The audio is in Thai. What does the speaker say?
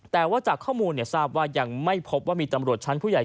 แต่ว่าจากข้อมูลทราบว่ายังไม่พบว่ามีตำรวจชั้นผู้ใหญ่